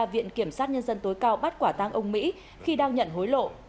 viện kiểm sát nhân dân tối cao bắt quả tang ông mỹ khi đang nhận hối lộ